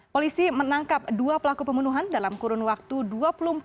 polisi menangkap dua pelaku pembunuhan dalam kurun waktu dua puluh empat jam